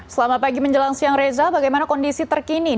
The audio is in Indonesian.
selamat pagi menjelang siang reza bagaimana kondisi terkini